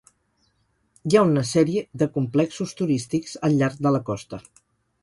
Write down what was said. Hi ha una sèrie de complexos turístics al llarg de la costa.